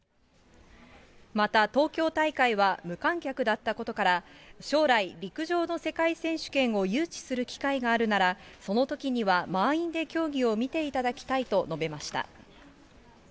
また東京大会は無観客だったことから、将来、陸上の世界選手権を誘致する機会があるなら、そのときには満員で競技を見ていただきたいと述べました。